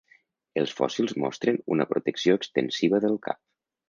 Els fòssils mostren una protecció extensiva del cap.